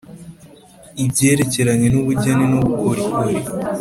ibyerekeranye n ubugeni n ubukorikori